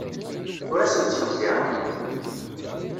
Ur asen-ttbexxireɣ.